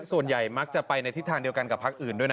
ส่วนใหญ่มักจะไปในทิศทางเดียวกันกับพักอื่นด้วยนะ